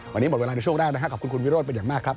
วันนี้หมดเวลาในช่วงแรกนะครับขอบคุณคุณวิโรธเป็นอย่างมากครับ